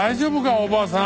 おばさん。